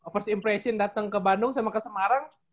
first impression datang ke bandung sama ke semarang